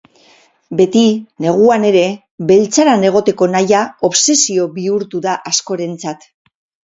Beti, neguan ere, beltzaran egoteko nahia obsesio bihurtu da askorentzat.